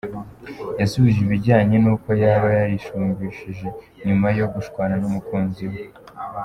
Yasubije ibijyanye n’uko yaba yarishumbishije nyuma yo gushwana n’umukunzi we.